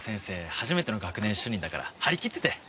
初めての学年主任だから張り切ってて。